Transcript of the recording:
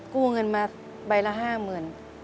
กู้เงินมาใบละ๕๐๐๐บาท